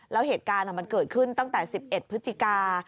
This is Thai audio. แล้วเหตุการณ์มันเกิดขึ้นตั้งแต่๑๑พฤศจิกา